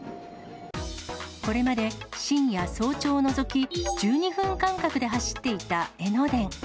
これまで深夜、早朝を除き、１２分間隔で走っていた江ノ電。